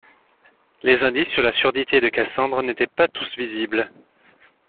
Les indices sur la surdité de Cassandre n’étaient pas tous visibles.